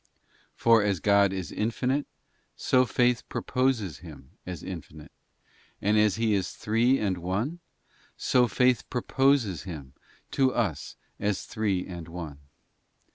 For as God is infinite, so faith proposes Him as infinite ; and as He is Three and One, so faith proposes Him to us as Three and One.